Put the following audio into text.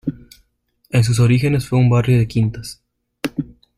En sus orígenes fue un barrio de quintas.